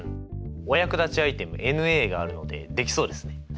お役立ちアイテムｎがあるのでできそうですね。